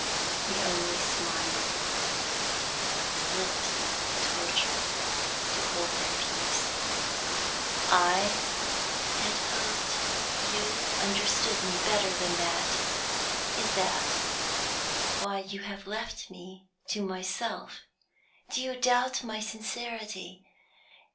He only smiled, his lips tortured to hold their peace. "I had hoped you understood me better than that. Is that why you have left me to myself? Do you doubt my sincerity?